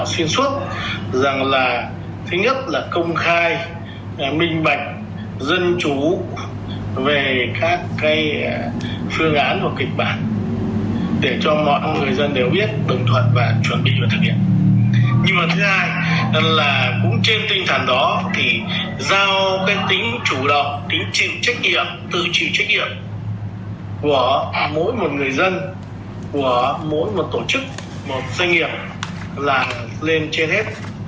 chủ động tự chịu trách nhiệm tự chịu trách nhiệm của mỗi một người dân của mỗi một tổ chức một doanh nghiệp là lên trên hết